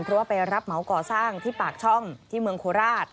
เพราะว่าไปรับเหมาก่อสร้างที่ปากช่องที่เมืองโคราช